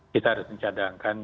kita harus mencadangkan